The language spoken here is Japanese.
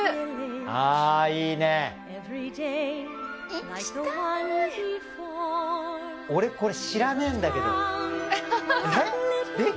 あいいね行きたい俺これ知らねえんだけどえっ？